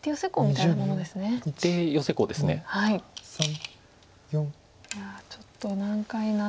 いやちょっと難解な。